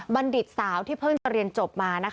ดิตสาวที่เพิ่งจะเรียนจบมา